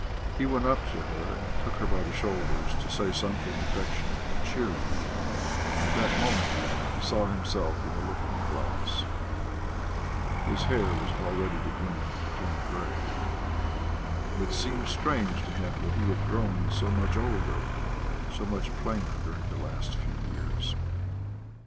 He went up to her and took her by the shoulders to say something affectionate and cheering, and at that moment he saw himself in the looking glass. His hair was already beginning to turn grey. And it seemed strange to him that he had grown so much older, so much plainer during the last few years.